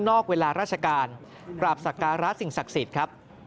อกเวลาราชการกราบสักการะสิ่งศักดิ์สิทธิ์ครับ